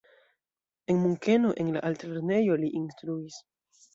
En Munkeno en la altlernejo li instruis.